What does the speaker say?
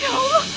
ya allah kamu